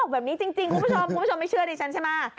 คุณผู้ชมไม่เชื่อดิฉันใช่มะ